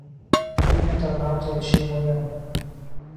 Gimė tarnautojo šeimoje.